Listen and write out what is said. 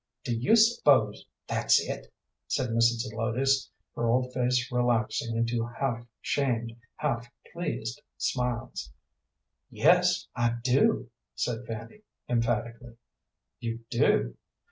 "Do you s'pose that's it?" said Mrs. Zelotes, her old face relaxing into half shamed, half pleased smiles. "Yes, I do," said Fanny, emphatically. "You do?"